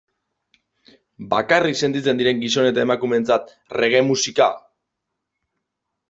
Bakarrik sentitzen diren gizon eta emakumeentzat reggae musika?